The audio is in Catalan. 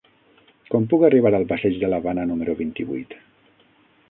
Com puc arribar al passeig de l'Havana número vint-i-vuit?